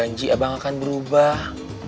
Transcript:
janji abang akan berubah